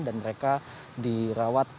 dan mereka dirawat